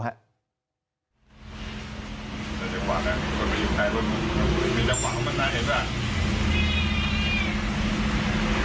ในจังหวะนั้นมีคนมาหยิบใต้รถมือ